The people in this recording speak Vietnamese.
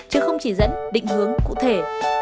chứ không chỉ dẫn định hướng cụ thể